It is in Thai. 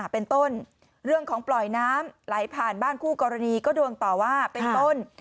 เป็นต้นเรื่องของปล่อยน้ำไหลผ่านบ้านคู่กรณีก็โดนต่อว่าเป็นต้น